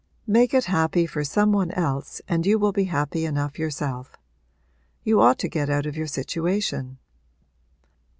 'Make it happy for some one else and you will be happy enough yourself. You ought to get out of your situation.'